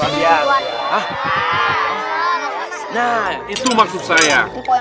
nah itu maksud saya